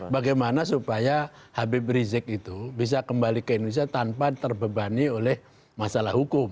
bagaimana supaya habib rizik itu bisa kembali ke indonesia tanpa terbebani oleh masalah hukum